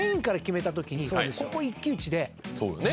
ここ一騎打ちで。